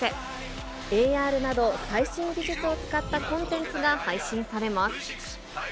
ＡＲなど、最新技術を使ったコンテンツが配信されます。